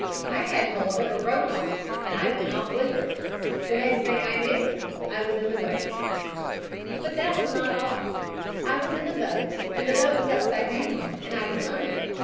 I had hold of a row lock and I went off with it. The next I knew I was in the boat. "But that was not all. I was in the boat and the boat was upside down and I was under it.